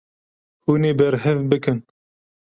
Hûn ê berhev bikin.